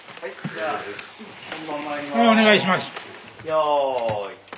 よい。